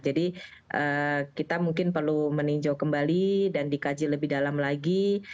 kita mungkin perlu meninjau kembali dan dikaji lebih dalam lagi